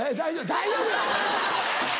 大丈夫や！